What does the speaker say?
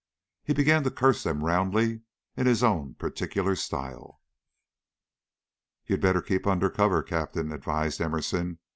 He began to curse them roundly in his own particular style. "You'd better keep under cover, Captain," advised Emerson.